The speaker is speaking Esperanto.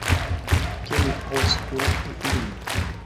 Ke ni aŭskultu ilin.